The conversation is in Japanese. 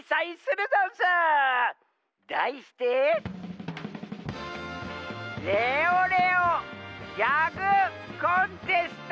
だいしてレオレオギャグコンテスト！